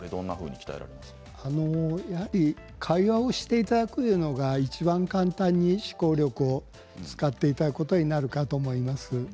やはり会話をしていただくことがいちばん簡単に思考力を使っていただくことになるかと思います。